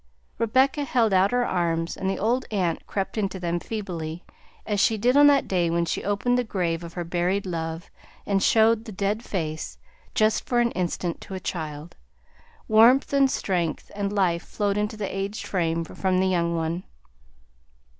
Rebecca held out her arms and the old aunt crept into them feebly, as she did on that day when she opened the grave of her buried love and showed the dead face, just for an instant, to a child. Warmth and strength and life flowed into the aged frame from the young one.